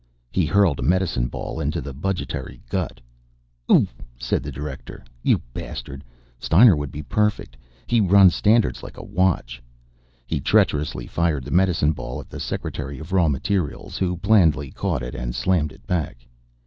He hurled a medicine ball into the budgetary gut. "Oof!" said the Director. "You bastard. Steiner would be perfect. He runs Standards like a watch." He treacherously fired the medicine ball at the Secretary of Raw Materials, who blandly caught it and slammed it back.